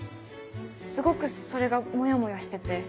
すごくそれがモヤモヤしてて。